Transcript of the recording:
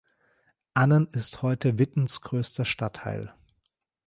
Annen ist heute Wittens größter Stadtteil.